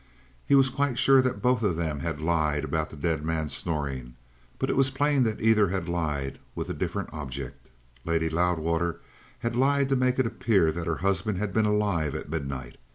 He was quite sure that both of them had lied about the dead man's snoring. But it was plain that either had lied with a different object. Lady Loudwater had lied to make it appear that her husband had been alive at midnight.